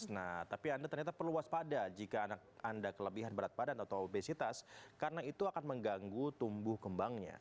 nah tapi anda ternyata perlu waspada jika anak anda kelebihan berat badan atau obesitas karena itu akan mengganggu tumbuh kembangnya